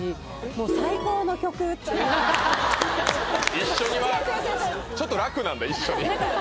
一緒にはちょっと楽なんだ一緒になるほど！